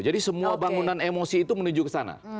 jadi semua bangunan emosi itu menuju ke sana